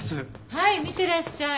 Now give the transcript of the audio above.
はい見てらっしゃい。